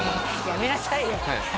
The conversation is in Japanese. やめなさいよ